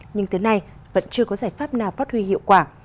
nhưng tới nay vẫn chưa có giải pháp nào phát huy hiệu quả